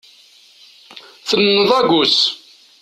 Tenneḍ agus.